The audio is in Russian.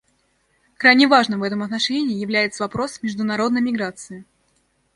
Крайне важным в этом отношении является вопрос международной миграции.